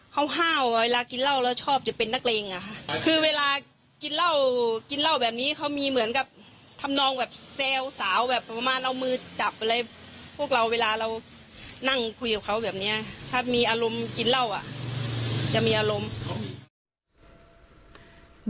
เขาห้าวเวลากินเหล้าแล้วชอบจะเป็นนักเลงอ่ะค่ะคือเวลากินเหล้ากินเหล้าแบบนี้เขามีเหมือนกับทำนองแบบแซวสาวแบบประมาณเอามือจับอะไรพวกเราเวลาเรานั่งคุยกับเขาแบบเนี้ยถ้ามีอารมณ์กินเหล้าอ่ะจะมีอารมณ์